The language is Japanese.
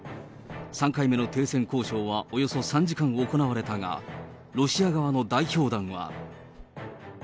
３回目の停戦交渉はおよそ３時間行われたが、ロシア側の代表団は。